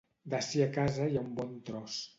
D'ací a casa hi ha un bon tros.